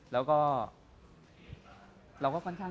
แล้วก็เราก็ค่อนข้างยอดนะครับ